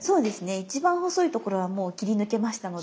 一番細いところはもう切り抜けましたので。